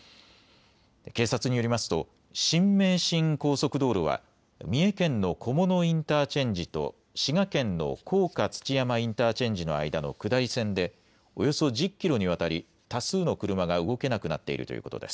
警察によりますと新名神高速道路は三重県の菰野インターチェンジと滋賀県の甲賀土山インターチェンジの間の下り線でおよそ１０キロにわたる多数の車が動けなくなっているということです。